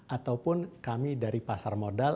ataupun kami dari pasar modal